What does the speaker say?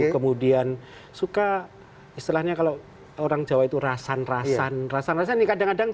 kemudian suka istilahnya kalau orang jawa itu rasan rasan rasan rasan ini kadang kadang